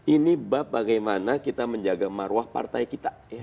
ini bab bagaimana kita menjaga marwah partai kita